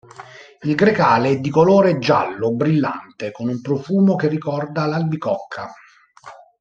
Il Grecale è di colore giallo brillante, con un profumo che ricorda l'albicocca.